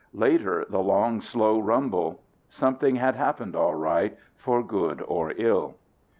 Later, the long slow rumble. Something had happened, all right, for good or ill."